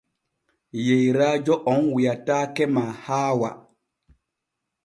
Yeyrajo om wiataake ma haawa.